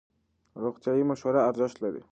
روغتیایي مشوره ارزښت لري.